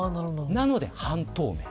なので半透明。